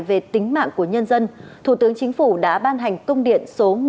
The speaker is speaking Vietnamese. về tính mạng của nhân dân thủ tướng chính phủ đã ban hành công điện số một nghìn ba trăm tám mươi tám yêu cầu